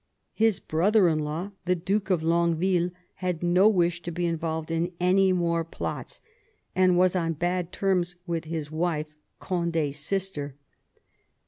His brother in law, the Duke of Longueville, had no wish to be involved in any more plots, and was on bad terms with his wife, Condi's sister.